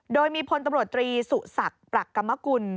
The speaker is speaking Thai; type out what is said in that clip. โดยมีพลตำรวจตรีสุศักดิ์ปรักกรรมกุล